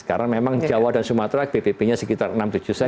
karena memang jawa dan sumatera bpp nya sekitar enam tujuh sen